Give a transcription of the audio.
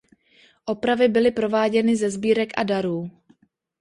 Opravy byly prováděny ze sbírek a darů.